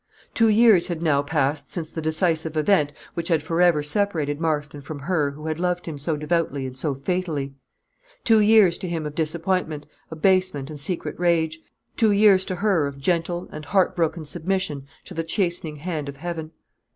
Two years had now passed since the decisive event which had forever separated Marston from her who had loved him so devotedly and so fatally; two years to him of disappointment, abasement, and secret rage; two years to her of gentle and heart broken submission to the chastening hand of heaven.